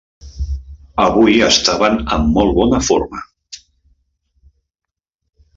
Avui estaven en molt bona forma.